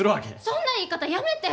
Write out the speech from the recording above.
そんな言い方やめて！